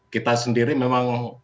kita sendiri memang